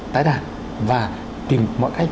tái đàn và tìm mọi cách